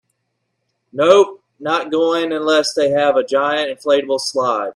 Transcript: Nope, not going unless they have a giant inflatable slide.